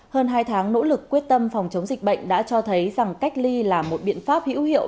hơn hai tháng nỗ lực quyết tâm phòng chống dịch bệnh đã cho thấy rằng cách ly là một biện pháp hữu hiệu